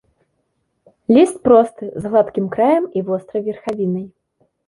Ліст просты, з гладкім краем і вострай верхавінай.